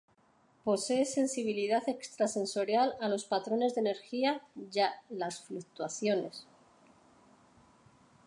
Posee sensibilidad extrasensorial a los patrones de energía ya las fluctuaciones.